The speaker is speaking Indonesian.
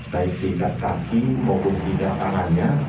baik diikat kaki maupun diikat tangannya